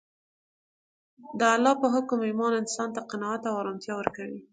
د الله په حکم ایمان انسان ته قناعت او ارامتیا ورکوي